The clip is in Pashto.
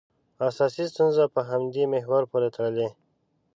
اساسي ستونزه په همدې محور پورې تړلې.